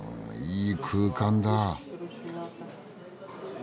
いい空間だ。